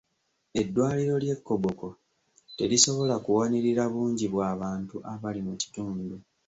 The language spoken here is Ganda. Eddwaliro ly'e Koboko terisobola kuwanirira bungi bw'abantu abali mu kitundu.